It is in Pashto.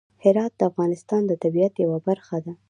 هرات د افغانستان د طبیعت یوه برخه ده.